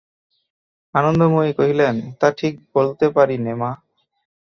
আনন্দময়ী কহিলেন, তা ঠিক বলতে পারি নে মা!